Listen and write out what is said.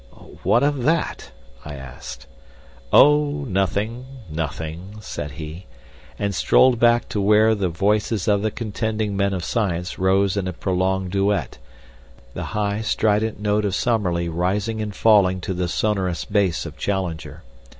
"What of that?" I asked. "Oh, nothing, nothing," said he, and strolled back to where the voices of the contending men of science rose in a prolonged duet, the high, strident note of Summerlee rising and falling to the sonorous bass of Challenger.